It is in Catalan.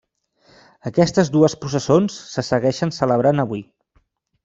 Aquestes dues processons se segueixen celebrant avui.